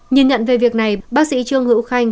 nhìn nhận về việc này bác sĩ trương hữu khanh